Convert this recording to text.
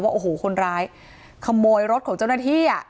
ว่าโอ้โหคนร้ายขโมยรถของเจ้าหน้าที่